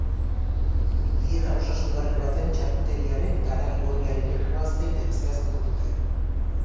Dieta osasungarri batean txarkuteriaren eta haragi gorriaren lekua zein den zehaztuko dute.